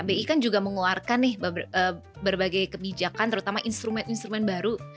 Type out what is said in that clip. bi kan juga mengeluarkan nih berbagai kebijakan terutama instrumen instrumen baru